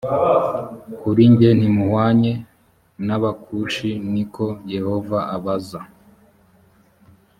kuri jye ntimuhwanye n abakushi ni ko yehova abaza